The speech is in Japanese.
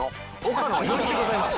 岡野陽一でございます。